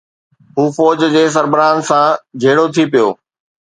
هو فوج جي سربراهن سان جهيڙو ٿي پيو.